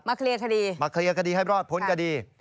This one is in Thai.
มาเคลียร์คดีให้รอดพ้นคดี